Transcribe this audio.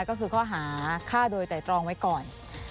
ก็คือข้อหาฆ่าโดยไตรตรองไว้ก่อน